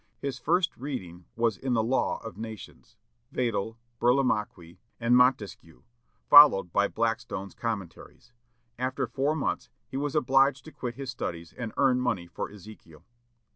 His first reading was in the Law of Nations Vattel, Burlamaqui, and Montesquieu, followed by Blackstone's Commentaries. After four months, he was obliged to quit his studies and earn money for Ezekiel.